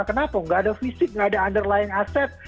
kenapa tidak ada fisik tidak ada underlying aset